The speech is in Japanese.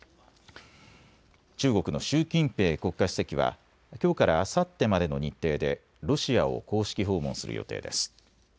中国の習近平国家主席はきょうからあさってまでの日程でロシアを公式訪問する予定です。